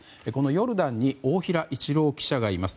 ヨルダンに大平一郎記者がいます。